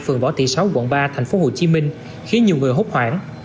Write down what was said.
phường võ thị sáu quận ba tp hcm khiến nhiều người hốt hoảng